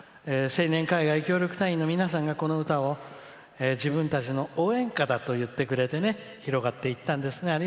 青年海外協力隊員の皆さんが皆さんが、この歌を自分たちの応援歌だと言ってくれて広がっていったんですね。